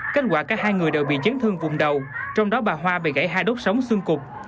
kết quả cả hai người đều bị chấn thương vùng đầu trong đó bà hoa bị gãy hai đốt sống xương cục